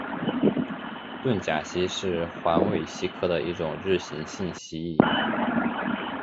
盾甲蜥是环尾蜥科的一种日行性蜥蜴。